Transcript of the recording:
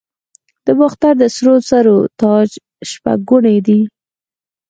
د باختر د سرو زرو تاج شپږ ګونی دی